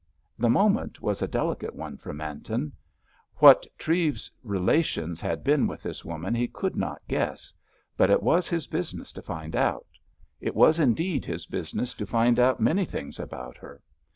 The moment was a delicate one for Manton. What Treves's relations had been with this woman he could not guess. But it was his business to find out. It was indeed his business to find out many things about her.